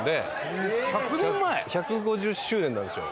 １５０周年なんですよ